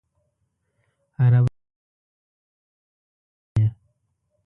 عربان یې بئر الأرواح بولي.